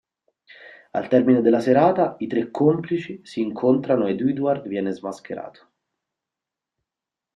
Al termine della serata, i tre "complici" si incontrano e Edward viene smascherato.